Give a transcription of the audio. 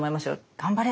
頑張れ！